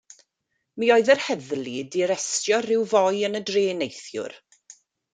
Mi oedd yr heddlu 'di arestio rhyw foi yn dre neithiwr.